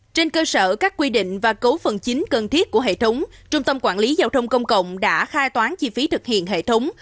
trên cơ sở các quy định và cấu phần chính cần thiết của hệ thống trung tâm quản lý giao thông công cộng đã khai toán chi phí thực hiện hệ thống